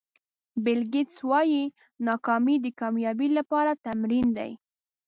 بیل ګېټس وایي ناکامي د کامیابۍ لپاره تمرین دی.